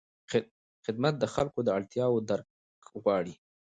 خدمت د خلکو د اړتیاوو درک غواړي.